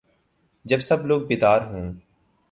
جب سب لوگ بیدار ہو